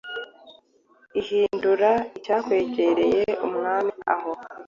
ihindura Icyakwegereye umwami aho